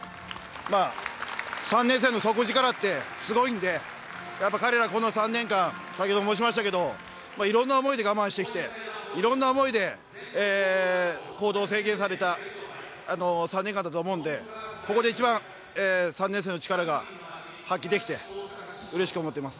◆３年生の底力ってすごいので、やっぱり彼ら、この３年間、先ほども申しましたけど、いろんな思いで我慢してきて、いろんな思いで行動を制限された３年間だったと思うのでここで一番、３年生の力が発揮できて、うれしく思っています。